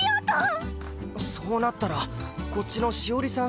そうなったらこっちのしおりさん